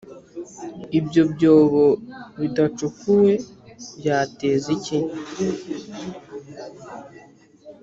Ibyo byobo bidacukuwe byateza iki?